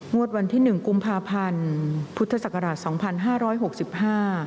งวดวันที่๑กุมภาพันธ์พุทธศักราช๒๕๖๕